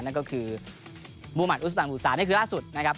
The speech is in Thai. นั่นก็คือมุมันอุศตังค์อุตสานนี่คือล่าสุดนะครับ